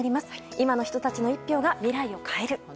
今の人たちの１票が未来を変える。